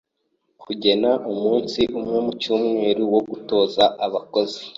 Kugena umunsi umwe mu cyumweru wo gutoza abakozi